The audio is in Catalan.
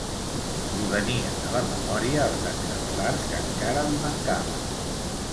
Li venien a la memòria els exemplars que encara li mancaven